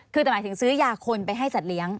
คือแต่หมายถึงซื้อยาคนไปให้สัตว์เลี้ยง